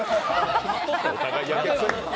お互いやけくそ！